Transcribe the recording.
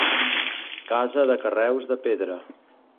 Casa de carreus de pedra.